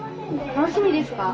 楽しみです。